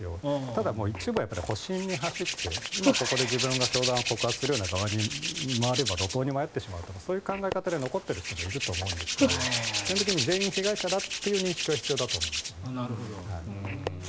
ただ、一部保身に走って今ここで自分が教団を告発する側に回れば路頭に迷ってしまうという考え方で残ってる方もいらっしゃると思うんですが基本的に全員被害者だという認識は必要だと思います。